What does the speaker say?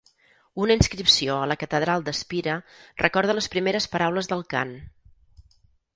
Una inscripció a la Catedral d'Espira recorda les primeres paraules del cant.